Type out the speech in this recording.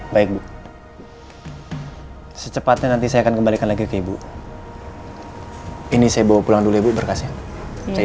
baik bu secepatnya nanti saya akan kembalikan lagi ke ibu ini saya bawa pulang dulu ibu berkasnya saya